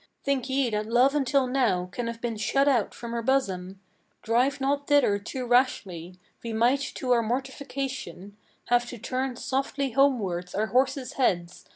Think ye that love until now can have been shut out from her bosom? Drive not thither too rashly: we might to our mortification Have to turn softly homewards our horses' heads.